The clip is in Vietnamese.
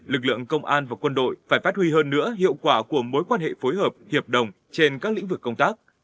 lực lượng công an và quân đội phải phát huy hơn nữa hiệu quả của mối quan hệ phối hợp hiệp đồng trên các lĩnh vực công tác